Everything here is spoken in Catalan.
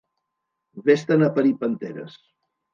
Ves-te'n a parir panteres!